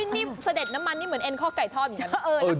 นี่เสด็จน้ำมันนี่เหมือนเอ็นข้อไก่ทอดเหมือนกัน